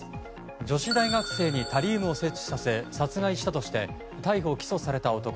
女子大学生にタリウムを摂取させ殺害したとして逮捕・起訴された男。